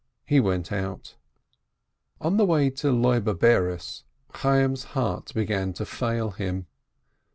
he went out. On the way to Loibe Bares, Chayyim's heart began to fail him.